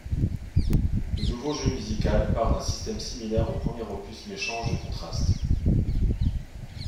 Le nouveau jeu-musical part d'un système similaire au premier opus mais change de contraste.